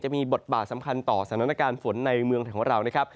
จะมีบทบาทสำคัญต่อสถานการณ์ฝนในเมืองของเรา